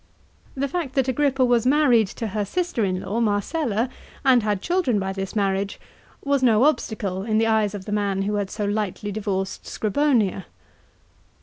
The fact that Agrippa was married to her sister in law Marcella, and had children by this marriage, was no obstacle in the eyes of the man who had so lightly divorced Scribonia.